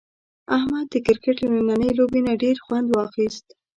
احمد د کرکټ له نننۍ لوبې نه ډېر خوند واخیست.